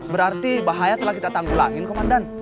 berarti bahaya telah kita tanggulangin komandan